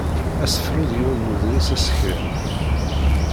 Asefru d yiwen n uḍris aseklan.